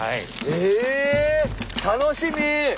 ええ楽しみ！